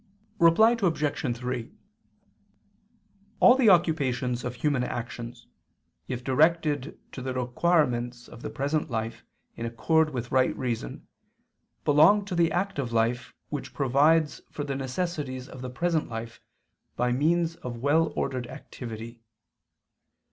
Reply Obj. 3: All the occupations of human actions, if directed to the requirements of the present life in accord with right reason, belong to the active life which provides for the necessities of the present life by means of well ordered activity.